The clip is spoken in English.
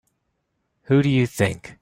Who do you think?